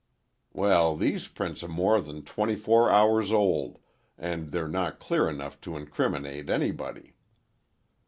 "Well, these prints are more than twenty four hours old, and they're not clear enough to incriminate anybody."